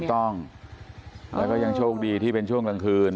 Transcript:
ถูกต้องแล้วก็ยังโชคดีที่เป็นช่วงกลางคืน